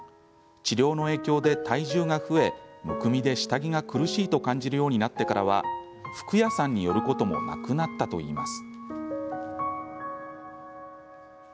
治療の影響で体重が増えむくみで下着が苦しいと感じるようになってからは服屋さんに寄ることもなくなったといいます。